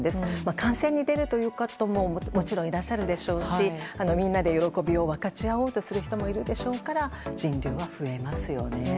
観戦に出るという方ももちろんいらっしゃるでしょうしみんなで喜びを分かち合おうとする人もいるでしょうから人流は増えますよね。